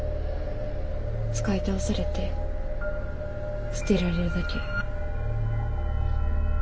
使い倒されて捨てられるだけ。